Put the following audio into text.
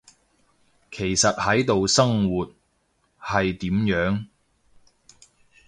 其實喺度生活，係點樣？